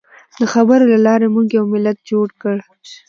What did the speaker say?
د خبرو له لارې موږ یو ملت جوړ کړ.